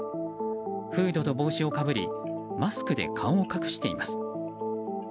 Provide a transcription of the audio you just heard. フードと帽子をかぶりマスクで顔を隠しています。